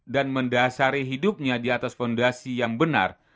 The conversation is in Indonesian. dan mendasari hidupnya di atas fondasi yang benar